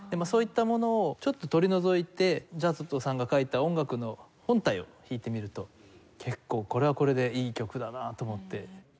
そういったものをちょっと取り除いてジャゾットさんが書いた音楽の本体を弾いてみると結構これはこれでいい曲だなと思って。